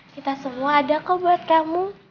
kita semua ada kau buat kamu